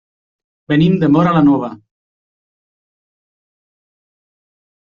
Venim de Móra la Nova.